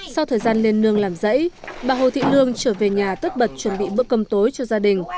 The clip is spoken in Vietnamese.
sau thời gian lên nương làm rẫy bà hồ thị nương trở về nhà tất bật chuẩn bị bữa cơm tối cho gia đình